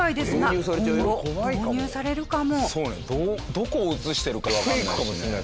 どこを映してるかわかんない。